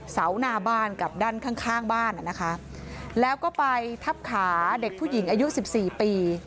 เสาหน้าบ้านกับด้านข้างบ้านนะคะแล้วก็ไปทับขาเด็กผู้หญิงอายุ๑๔ปี